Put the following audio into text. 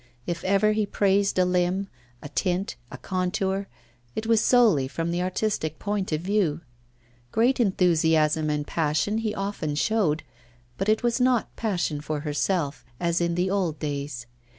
If ever he praised a limb, a tint, a contour, it was solely from the artistic point of view. Great enthusiasm and passion he often showed, but it was not passion for herself as in the old days.